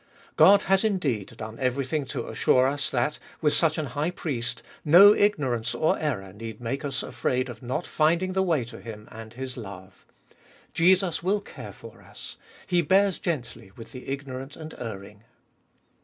God has indeed done everything to assure us that, with such an High Priest, no ignorance or error need make us afraid of not finding the way to Him and His love. Jesus will care for us — He bears gently with the ignorant and erring.